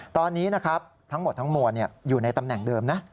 ตอนนี้นะครับทั้งหมดทั้งมวลอยู่ในตำแหน่งเดิมนะ